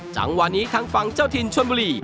จังหวะนี้ทางฝั่งเจ้าถิ่นชนบุรี